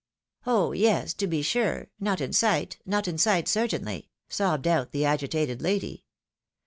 " Oh yes, to be sure — not in sight, not in sight, certainly," sobbed out the agitated lady.